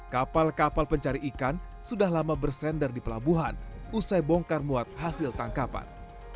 kapal kapal pencari ikan sudah lama bersendar di pelabuhan usai bongkar muat hasil tangkapan